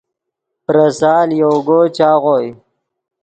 پریسال یوگو چاغوئے